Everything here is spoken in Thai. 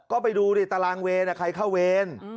ก็ไปดูดิตารางเวรใครเข้าเวร